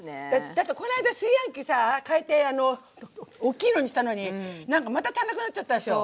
だってこの間炊飯器さ替えて大きいのにしたのにまた足んなくなっちゃったでしょ。